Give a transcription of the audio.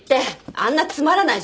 あんなつまらない授業